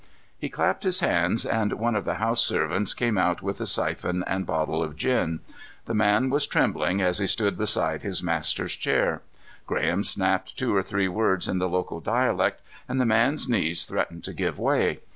He clapped his hands and one of the house servants came out with a siphon and bottle of gin. The man was trembling as he stood beside his master's chair. Graham snapped two or three words in the local dialect and the man's knees threatened to give way.